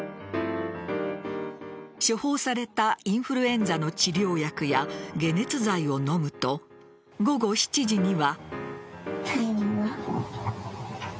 処方されたインフルエンザの治療薬や解熱剤を飲むと午後７時には。